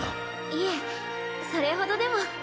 いえそれほどでも。